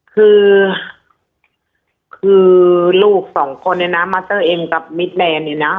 คือลูกสองคนเนี้ยนะมัสเตอร์เอ็งกับมิสแมนนี่นา